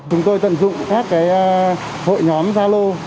chúng tôi tận dụng các hội nhóm gia lô